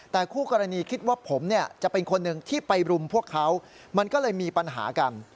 แต่คู่กรณีคิดว่าผมเนี่ยจะเป็นคนหนึ่งที่ไปรุมพวกเขามันก็เลยมีปัญหากัน